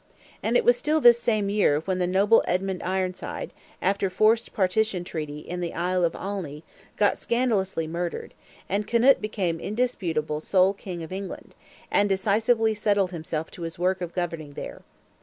And it was still this same year when the noble Edmund Ironside, after forced partition treaty "in the Isle of Alney," got scandalously murdered, and Knut became indisputable sole King of England, and decisively settled himself to his work of governing there.